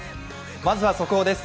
まずは速報です。